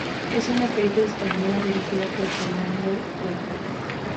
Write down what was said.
Es una película española dirigida por Fernando Huertas.